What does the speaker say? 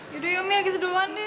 yaudah ya umi lagi seduluan deh